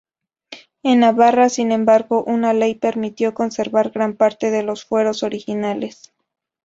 En Navarra, sin embargo, una ley permitió conservar gran parte de los fueros originales.